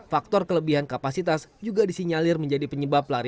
faktor kelebihan kapasitas juga disinyalir menjadi penyebab pelarian kabur